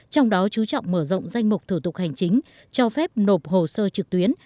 trong đó chú trọng mở rộng danh mục thủ tục hành chính cho phép nộp hồ sơ trực tuyến